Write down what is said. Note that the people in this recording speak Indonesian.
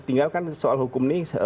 tinggalkan soal hukum ini